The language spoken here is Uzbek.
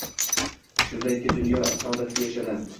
Shunda ikki dunyo saodatiga erishadi.